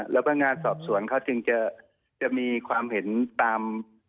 แล้วพนักงานสอบสวนเขาจึงจะมีความเห็นตาม